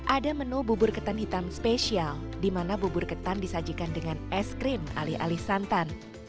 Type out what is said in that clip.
ada menu bubur ketan hitam spesial di mana bubur ketan disajikan dengan es krim alih alih santan